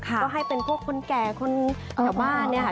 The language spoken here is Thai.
ก็ให้เป็นพวกคนแก่คนแถวบ้านเนี่ยค่ะ